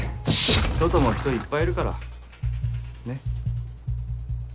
外も人いっぱいいるからねっ。